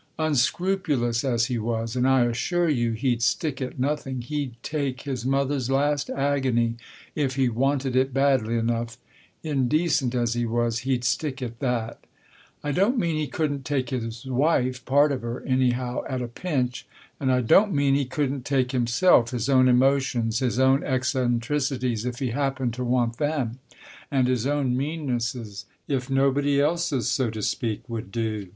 Unscrupulous as he was, and I assure you he'd stick at nothing (he'd " take " his mother's last agony if he " wanted " it badly enough), indecent as he was, he'd stick at that. I don't mean he couldn't take his wife, part of her, any how, at a pinch. And I don't mean he couldn't take himself, his own emotions, his own eccentricities, if he happened to want them, and his own meannesses, if nobody else's, so to speak, would do.